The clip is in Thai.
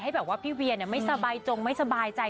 แบบว่าพี่เวียไม่สบายจงไม่สบายใจ